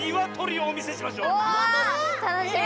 たのしみ！